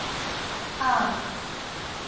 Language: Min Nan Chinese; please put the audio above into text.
拗